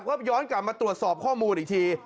ก็ย้อนกลับมาตรวจสอบข้อมูลอีกที